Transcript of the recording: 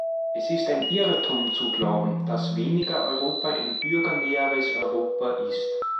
Es ist ein Irrtum zu glauben, dass weniger Europa ein bürgernäheres Europa ist.